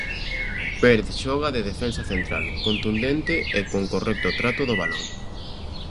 Pérez xoga de defensa central, contundente e con correcto trato do balón.